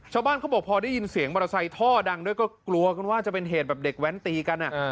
ชาวบ้านเขาบอกพอได้ยินเสียงบริษัทท่อดังด้วยก็กลัวว่าจะเป็นเหตุแบบเด็กแว้นตีกันอ่ะ